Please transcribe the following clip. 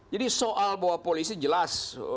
jadi soal bahwa polisi jelas